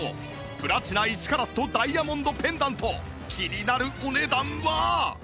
プラチナ１カラットダイヤモンドペンダント気になるお値段は？